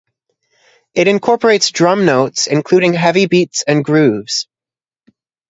It incorporates drum notes, including heavy beats and grooves.